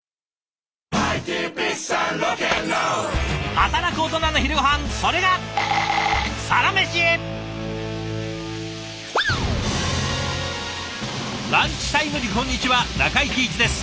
働くオトナの昼ごはんそれがランチタイムにこんにちは中井貴一です。